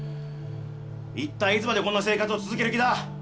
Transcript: いったいいつまでこんな生活を続ける気だ！